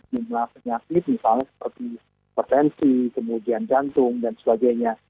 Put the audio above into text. misalnya penyakit misalnya seperti potensi kemudian jantung dan sebagainya